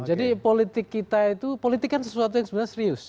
jadi politik kita itu politik kan sesuatu yang sebenarnya serius